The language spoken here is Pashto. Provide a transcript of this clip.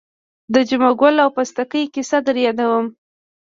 د جمعه ګل او پستکي کیسه در یادوم.